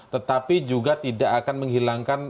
tetapi juga tidak akan menghilangkan